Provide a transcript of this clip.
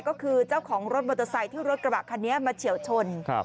ก็คือเจ้าของรถมอเตอร์ไซค์ที่รถกระบะคันนี้มาเฉียวชน